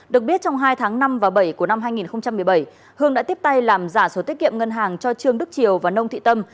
được biết trong hai tháng năm và bảy của năm hai nghìn một mươi bảy hương đã tiếp tay làm giả số tiết kiệm ngân hàng cho trương đức triều và nông thị tâm